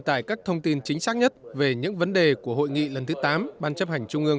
tải các thông tin chính xác nhất về những vấn đề của hội nghị lần thứ tám ban chấp hành trung ương